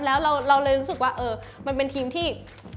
แล้วเราเลยรู้สึกว่ามันเป็นทีมที่